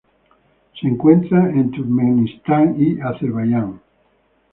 Se encuentra en Turkmenistán y Azerbayán.